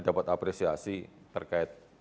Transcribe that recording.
dapat apresiasi terkait